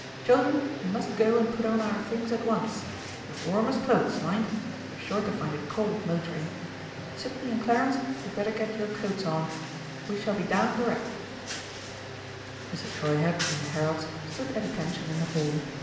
Children, we must go and put on our things at once your warmest cloaks, mind we're sure to find it cold motoring. Sidney and Clarence, you had better get your coats on we shall be down directly." Mr. Treuherz and the heralds stood at attention in the hall.